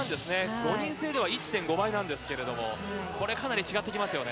５人制では１．５倍なんですけれども、これ、かなり違ってきますよね。